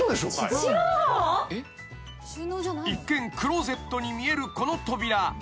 ［一見クローゼットに見えるこの扉。